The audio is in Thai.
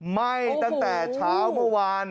ไหม้ตั้งแต่เช้าเมื่อวาน